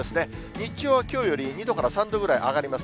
日中はきょうより２度から３度くらい上がります。